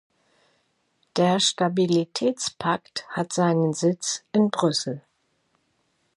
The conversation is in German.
Der Stabilitätspakt hat seinen Sitz in Brüssel.